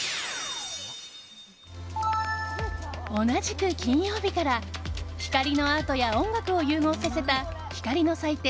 同じく金曜日から、光のアートや音楽を融合させた光の祭典